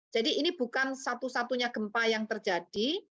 jadi ini bukan satu satunya gempa yang terjadi